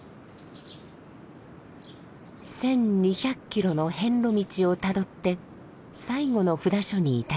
１，２００キロの遍路道をたどって最後の札所に至ります。